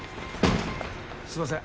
すみません。